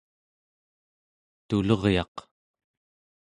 tuluryaq